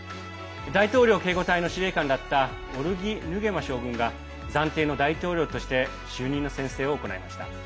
大統領警護隊の司令官だったオリギ・ヌゲマ将軍が暫定の大統領として就任の宣誓を行いました。